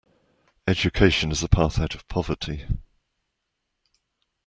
Education is a path out of poverty.